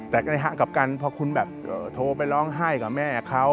แต่ใกล้กับกันพอคุณแบบโทรไปร้องไห้กับแม่เขา